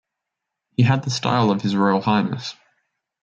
He had the style of His Royal Highness.